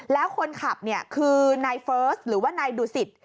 แล้วคนขับเนี่ยคือนายเฟิร์สหรือว่านายดูสิต